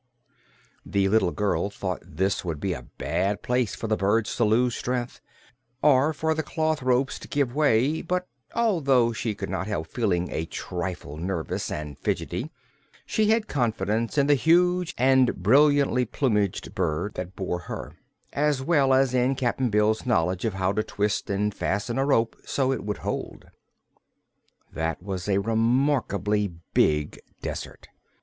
The little girl thought this would be a bad place for the birds to lose strength, or for the cloth ropes to give way; but although she could not help feeling a trifle nervous and fidgety she had confidence in the huge and brilliantly plumaged bird that bore her, as well as in Cap'n Bill's knowledge of how to twist and fasten a rope so it would hold. That was a remarkably big desert.